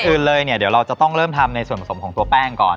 อื่นเลยเนี่ยเดี๋ยวเราจะต้องเริ่มทำในส่วนผสมของตัวแป้งก่อน